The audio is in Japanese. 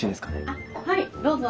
あっはいどうぞ。